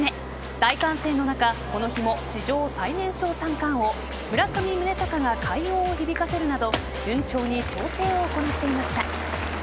大歓声の中この日も史上最年少三冠王村上宗隆が快音を響かせるなど順調に調整を行っていました。